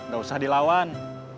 gak usah dilawan